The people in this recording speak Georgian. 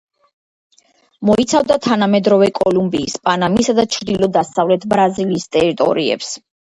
მოიცავდა თანამედროვე კოლუმბიის, პანამისა და ჩრდილო–დასავლეთ ბრაზილიის ტერიტორიებს.